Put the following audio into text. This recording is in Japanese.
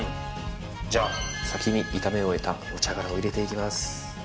じゃあ先に炒め終えたお茶殻を入れていきます。